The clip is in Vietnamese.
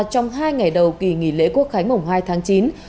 trong hai ngày đầu kỳ nghỉ lễ quốc khánh mùng hai tháng chín